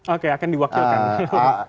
oke akan diwakilkan